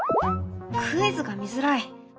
「クイズが見づらい！」。